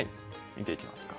見ていきますか。